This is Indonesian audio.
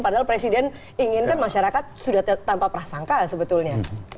padahal presiden inginkan masyarakat sudah tanpa prasangka sebetulnya